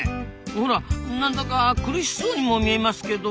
ほら何だか苦しそうにも見えますけど？